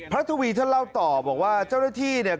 ทวีท่านเล่าต่อบอกว่าเจ้าหน้าที่เนี่ย